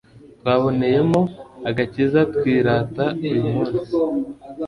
twaboneyemo agakiza twirata uyu munsi